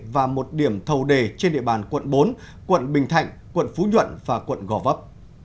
và một điểm thầu đề trên địa bàn quận bốn quận bình thạnh quận phú nhuận và quận gò vấp